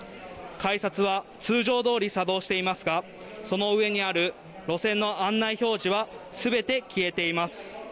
改札は通常どおり作動していますが、その上にある路線の案内表示はすべて消えています。